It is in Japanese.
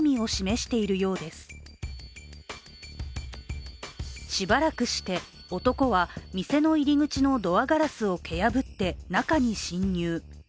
しばらくして男は、店の入り口のドアガラスを蹴破って中に侵入。